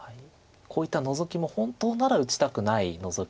こういったノゾキも本当なら打ちたくないノゾキなんですけど。